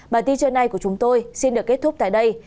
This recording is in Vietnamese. bài tiết chơi này của chúng tôi xin được kết thúc tại đây